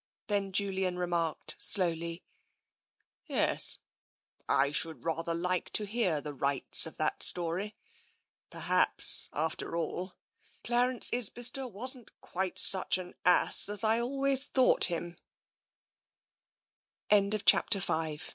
Then Julian remarked slowly :" Yes — I should rather like to hear the rights of that story. Perhaps, after all, Clarence Isbister wasn't quite such an ass as I always thought